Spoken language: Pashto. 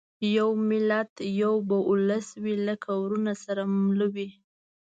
یو ملت یو به اولس وي لکه وروڼه سره مله وي